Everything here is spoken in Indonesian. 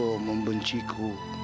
mungkin dia membenciku